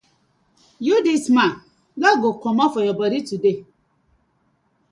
Yu dis man, blood go must komot for yah bodi today.